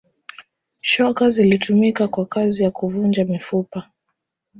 shoka zilitumika kwa kazi ya kuvunja mifupa